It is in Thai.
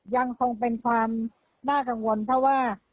ยังคงเป็นความน่ากังวลเพราะว่า